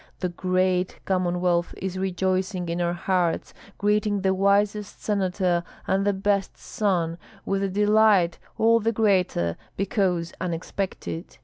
The whole Commonwealth is rejoicing in our hearts, greeting the wisest senator and the best son, with a delight all the greater because unexpected.